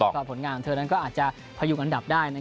ก็ผลงานของเธอนั้นก็อาจจะพยุงอันดับได้